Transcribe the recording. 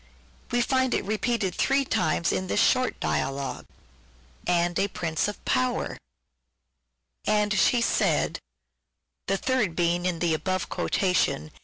We find it repeated three times in this short dialogue : 1 ' and A prince of power ;''" and She said ;" the third being in the above quotation.